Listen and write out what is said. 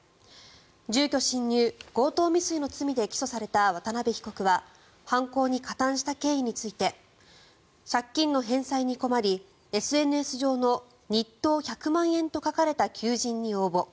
住居侵入、強盗未遂の罪で起訴された渡邉被告は犯行に加担した経緯について借金の返済に困りＳＮＳ上の日当１００万円と書かれた求人に応募。